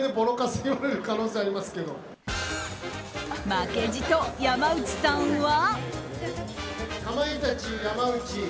負けじと、山内さんは。